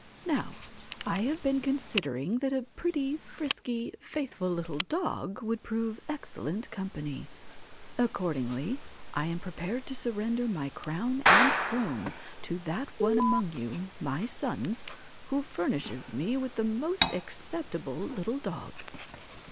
Now, I have been considering that a pretty, frisky, faithful little dog would prove excellent company ; accord ingly I am prepared to surrender my crown and 207 THE WHITE CAT THE throne to that one among you, my sons, who WHITE furnishes me with the most acceptable little dog.'